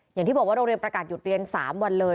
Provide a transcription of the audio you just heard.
อย่างที่บอกว่าโรงเรียนประกาศหยุดเรียน๓วันเลย